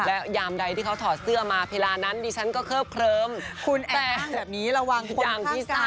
และยามใดที่เขาถ่อเสื้อมาเวลานั้นดิฉันก็เคิบเคลิมคุณแอบป้างแบบนี้ระหว่างคนข้างกาย